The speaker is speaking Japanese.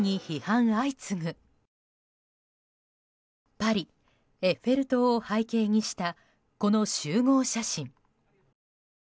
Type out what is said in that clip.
パリ・エッフェル塔を背景にした、この集合写真。